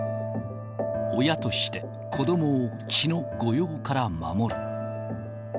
親として、子どもを血の誤用から守る。